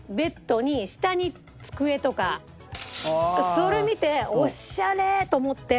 それ見てオシャレ！と思って。